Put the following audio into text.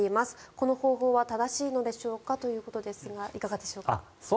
この方法は正しいのでしょうかということですがいかがでしょうか。